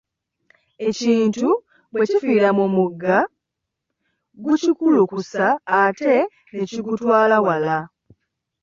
Ekintu bwe kifiira mu mugga, gukikulukusa ate ne kigutwala wala.